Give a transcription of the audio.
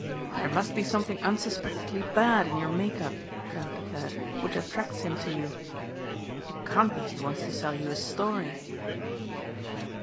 "There must be something unsuspectedly bad in your make up," Trent declared, "which attracts him to you. It can't be he wants to sell you a story."